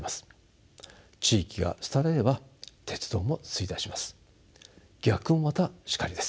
地域が廃れれば鉄道も衰退します。